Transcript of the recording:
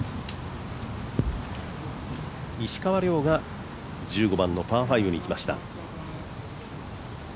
石川遼が１５番のパー５にきました。